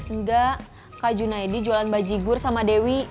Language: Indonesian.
enggak kak junaidi jualan bajigur sama dewi